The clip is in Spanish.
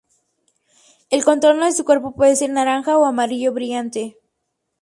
El contorno de su cuerpo puede ser naranja o amarillo brillante.